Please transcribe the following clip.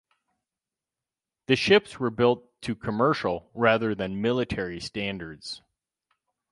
The ships were built to commercial rather than military standards.